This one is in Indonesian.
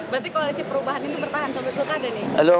berarti koalisi perubahan ini bertahan sampai pilkada nih